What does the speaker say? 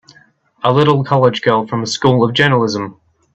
A little college girl from a School of Journalism!